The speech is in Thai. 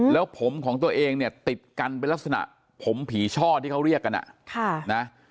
แล้วผมของตัวเองเนี่ยติดกันเป็นลักษณะผมผีช่อที่เขาเรียกกัน